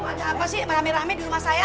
ada apa sih rame rame di rumah saya